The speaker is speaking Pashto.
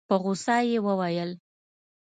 په غوسه يې وويل.